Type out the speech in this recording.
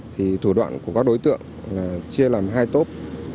thì thủ đoạn của các đối tượng là chia làm hai tốp